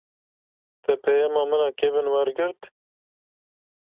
Te peyama min a kevin wergirt?